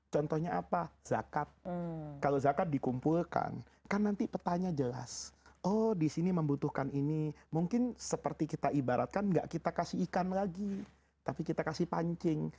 contohnya apa zakat kalau zakat dikumpulkan kan nanti petanya jelas oh disini membutuhkan ini mungkin seperti kita ibaratkan enggak kita kasih ikan lagi tapi kita kasih pancing